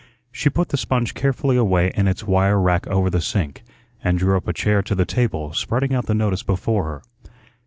She put the sponge carefully away in its wire rack over the sink, and drew up a chair to the table, spreading out the notice before her.